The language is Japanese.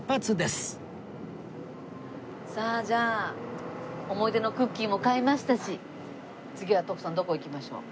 さあじゃあ思い出のクッキーも買いましたし次は徳さんどこ行きましょう？